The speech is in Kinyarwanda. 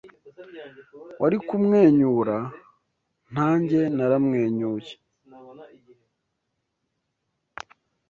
Wari kumwenyura nanjye naramwenyuye